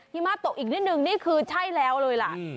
มาตกอีกนิดนึงนี่คือใช่แล้วเลยล่ะ